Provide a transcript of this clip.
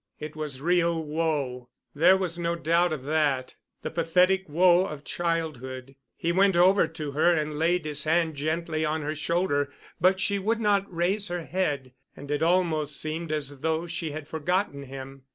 It was real woe, there was no doubt of that, the pathetic woe of childhood. He went over to her and laid his hand gently on her shoulder. But she would not raise her head, and it almost seemed as though she had forgotten him.